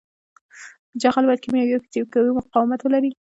جغل باید کیمیاوي او فزیکي مقاومت ولري